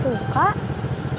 si muhammad suka kemari